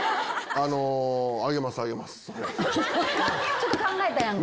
ちょっと考えたやんか。